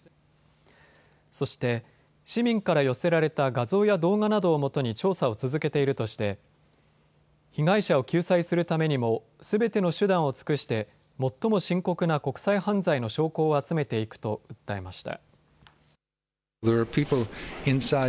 そして、市民から寄せられた画像や動画などをもとに調査を続けているとして被害者を救済するためにもすべての手段を尽くして最も深刻な国際犯罪の証拠を集めていくと訴えました。